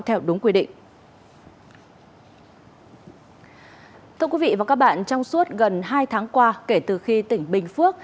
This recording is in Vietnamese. theo đúng quy định thưa quý vị và các bạn trong suốt gần hai tháng qua kể từ khi tỉnh bình phước